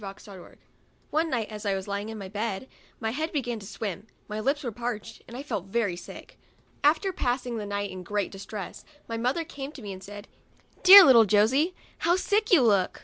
•' J One night as I was lying. in my bed, my head began to swim, my lips were parched, and I felt very sick. After pass ing the night in great distress, my mother came to me and said, " Dear little Josey, how sick you look